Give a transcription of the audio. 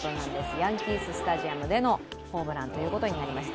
ヤンキースタジアムでのホームランとなりました。